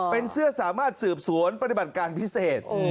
เป็นเสื้อสามารถสืบสวนปฏิบัติการพิเศษ